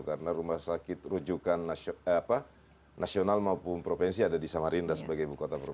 karena rumah sakit rujukan nasional maupun provinsi ada di samarinda sebagai ibu kota provinsi